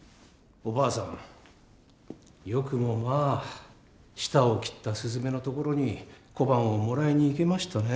よくもまあ舌を切ったすずめの所に小判をもらいに行けましたね。